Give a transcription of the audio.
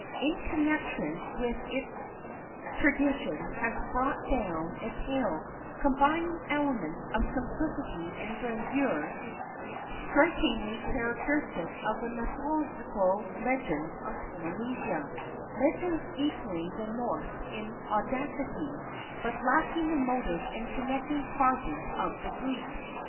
In connection with it tradition has brought down a tale combining elements of simplicity and grandeur strikingly characteristic of the mythological legends of Polynesia legends equaling the Norse in audacity, but lacking the motive and connecting causes of the Greek.